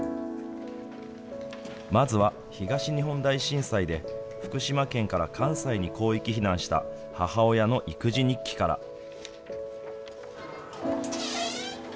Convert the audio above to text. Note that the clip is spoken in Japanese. まずは東日本大震災で福島県から関西に広域避難した母親の育児日記から。